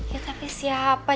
ya tapi siapa